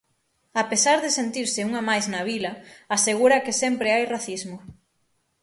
A pesar de sentirse unha máis na vila, asegura que sempre hai racismo.